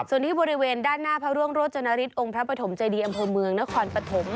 ส่วนที่บริเวณด้านหน้าพระร่วงโรจนฤทธองค์พระปฐมเจดีอำเภอเมืองนครปฐม